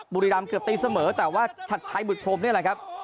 บุรีรำเกือบตีเสมอแต่ว่าชัดชัยบุตรพรมนี่แหละครับ